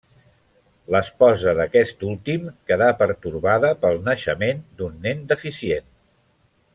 L'esposa d'aquest últim queda pertorbada pel naixement d'un nen deficient.